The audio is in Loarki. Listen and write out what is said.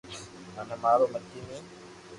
مني مارو متي ني